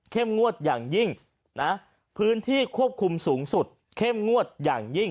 งวดอย่างยิ่งนะพื้นที่ควบคุมสูงสุดเข้มงวดอย่างยิ่ง